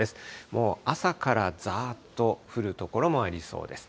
もう朝からざーっと降る所もありそうです。